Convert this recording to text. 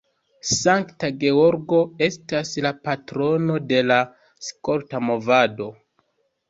Sankta Georgo estas la patrono de la skolta movado.